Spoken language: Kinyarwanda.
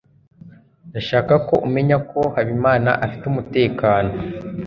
ndashaka ko umenya ko habimana afite umutekano